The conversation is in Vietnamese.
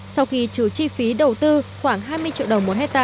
sau khi trừ chi phí đầu tư khoảng hai mươi triệu đồng